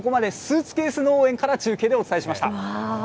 ここまでスーツケース農園から中継でお伝えしました。